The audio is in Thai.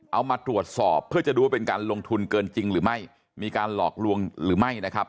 เอามาตรวจสอบเพื่อจะดูว่าเป็นการลงทุนเกินจริงหรือไม่มีการหลอกลวงหรือไม่นะครับ